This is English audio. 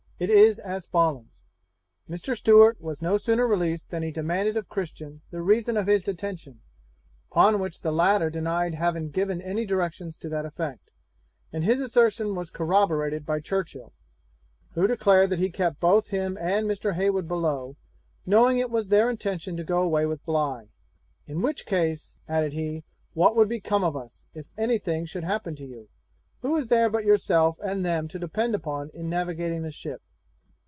It is as follows: 'Mr. Stewart was no sooner released than he demanded of Christian the reason of his detention; upon which the latter denied having given any directions to that effect; and his assertion was corroborated by Churchill, who declared that he had kept both him and Mr. Heywood below, knowing it was their intention to go away with Bligh; "in which case," added he, "what would become of us, if any thing should happen to you; who is there but yourself and them to depend upon in navigating the ship?"'